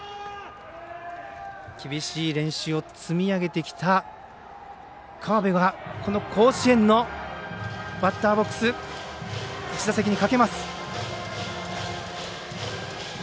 厳しい練習を積み上げてきた川辺がこの甲子園のバッターボックス１打席にかけます。